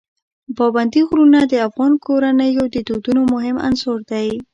پابندي غرونه د افغان کورنیو د دودونو مهم عنصر دی.